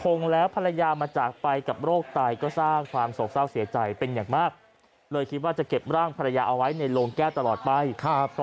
คงแล้วภรรยามาจากไปกับโรคไตก็สร้างความโศกเศร้าเสียใจเป็นอย่างมากเลยคิดว่าจะเก็บร่างภรรยาเอาไว้ในโรงแก้วตลอดไปครับ